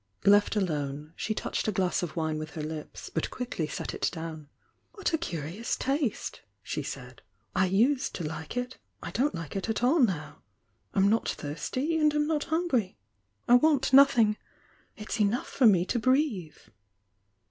Left alone, she touched a glass of wine with her li^s, but quickly set ic down. "What a curious taste!" she said. "I used to like it, — I don't like it at all now. I'm not thirsty and I'm not hungry. I want nothing. It's enough for me to breathe!"